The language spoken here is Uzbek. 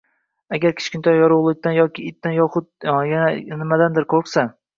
agar kichkintoy qorong‘ulikdan yoki itdan yohud yana nimadardir qo‘rqsa